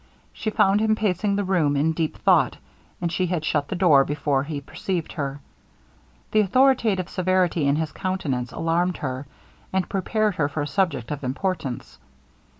She found him pacing the room in deep thought, and she had shut the door before he perceived her. The authoritative severity in his countenance alarmed her, and prepared her for a subject of importance.